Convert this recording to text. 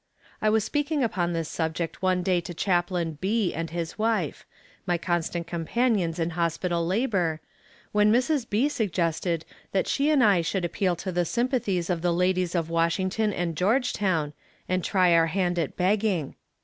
I was speaking upon this subject one day to Chaplain B. and his wife my constant companions in hospital labor when Mrs. B. suggested that she and I should appeal to the sympathies of the ladies of Washington and Georgetown, and try our hand at begging.